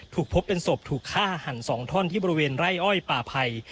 ถูกพบเป็นศพถูกฆ่าหันสองท่อนที่บริเวณไร้อ้อยป่าภัย